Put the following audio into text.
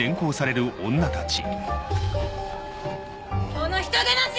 この人でなし！